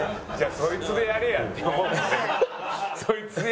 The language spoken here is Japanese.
「そいつでやれや」。